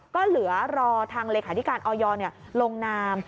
ก็เหลือรอทางเลขาธิการออยลงนาม